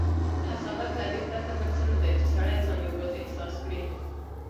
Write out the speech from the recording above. حسادت له دې پرته بل څه نه دی، چې سړی ځان یوازې احساس کړي.